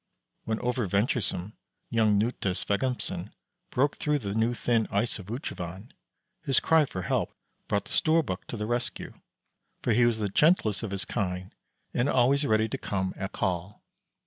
When over venturesome young Knute Sveggumsen broke through the new thin ice of Utrovand, his cry for help brought the Storbuk to the rescue; for he was the gentlest of his kind and always ready to come at call.